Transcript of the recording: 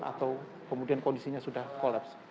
atau kemudian kondisinya sudah kolaps